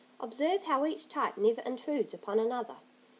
Observe how each type never intrudes upon another.